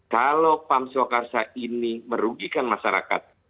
kalau pamswa karsa ini merugikan masyarakat